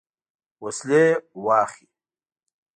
وسلې واخلي.